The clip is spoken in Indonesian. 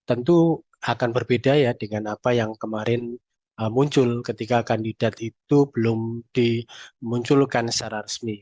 tentu akan berbeda ya dengan apa yang kemarin muncul ketika kandidat itu belum dimunculkan secara resmi